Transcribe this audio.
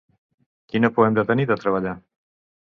Quina por hem de tenir de treballar?